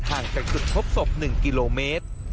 ห่างจากจุดพบศพ๑กิโลเมตร